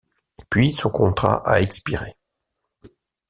Puis son contrat a expiré.